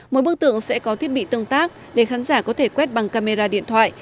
mỗi bức tượng sẽ có thiết bị tương tác để khán giả có thể quét bằng camera điện thoại